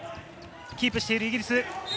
キープしているイギリス。